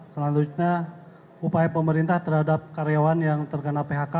selanjutnya upaya pemerintah terhadap karyawan yang terkena phk